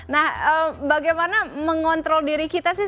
nah bagaimana mengontrol diri kita sih